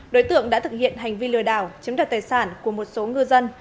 đối tượng đã thực hiện hành vi lừa đảo chấm đợt tài sản của một số ngư dân